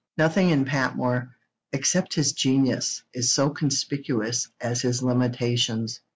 Nothing in Patmore, except his genius, is so conspicuous as his limitations.